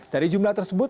dari jumlah terseluruh